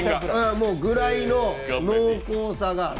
ぐらいの濃厚さが。